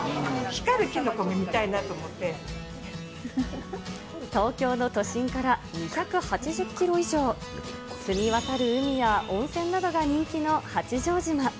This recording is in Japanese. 光るキノコも見たいなと思っ東京の都心から２８０キロ以上、澄み渡る海や温泉などが人気の八丈島。